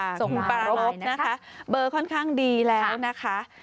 สมปรารถนะคะเบอร์ค่อนข้างดีแล้วนะคะ